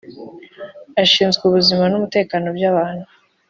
Ashinzwe ubuzima n’umutekano by’abantu